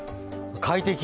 快適！